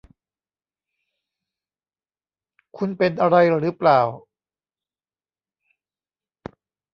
คุณเป็นอะไรหรือเปล่า